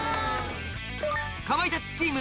かまいたちチーム